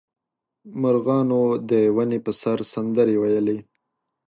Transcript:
مرغانو د ونې په سر سندرې ویلې.